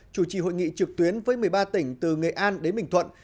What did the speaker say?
chủ trì hội nghị trực tuyến với một mươi ba tỉnh từ nghệ an đến bình thuận